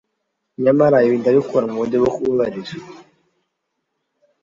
nyamara ibi ndabikora muburyo bwo kubabarira.